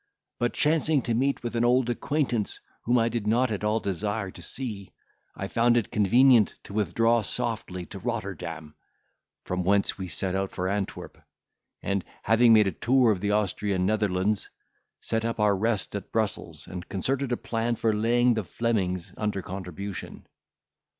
But, chancing to meet with an old acquaintance, whom I did not at all desire to see, I found it convenient to withdraw softly to Rotterdam; from whence we set out for Antwerp; and, having made a tour of the Austrian Netherlands, set up our rest at Brussels, and concerted a plan for laying the Flemings under contribution.